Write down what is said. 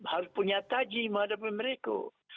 harus punya taji menghadapi mereka